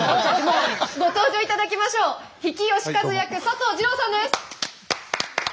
ご登場いただきましょう比企能員役佐藤二朗さんです。